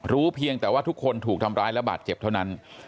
เพียงแต่ว่าทุกคนถูกทำร้ายและบาดเจ็บเท่านั้น